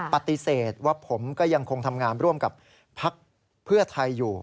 ปฏิเสธว่าผมก็ยังคงทำงานร่วมกับพักเพื่อไทยอยู่